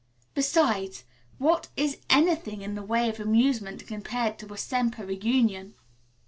Besides, what is anything in the way of amusement compared to a Semper reunion?"